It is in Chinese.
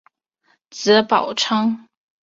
子宝昌。